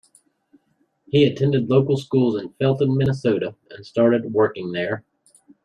He attended local schools in Felton, Minnesota and started working there.